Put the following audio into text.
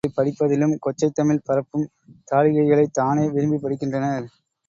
இதழ்களைப் படிப்பதிலும் கொச்சைத் தமிழ் பரப்பும் தாளிகைகளைத் தானே விரும்பிப் படிக்கின்றனர்.